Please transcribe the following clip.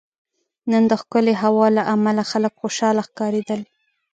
نن دښکلی هوا له عمله خلک خوشحاله ښکاریدل